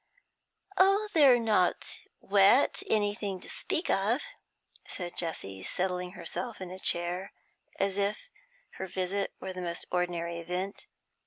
'Oh, they're not wet anything to speak of,' said Jessie, settling herself in a chair, as if her visit were the most ordinary event.